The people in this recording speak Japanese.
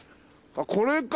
これか！